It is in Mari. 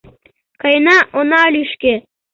Каена, она лӱшкӧ.